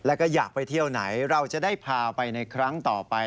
แล้วก็อยากไปเที่ยวไหนเราจะได้พาไปในครั้งต่อไป